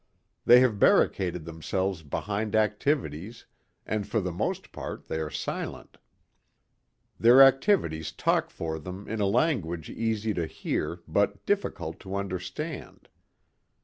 They have barricaded themselves behind activities and for the most part they are silent. Their activities talk for them in a language easy to hear but difficult to understand.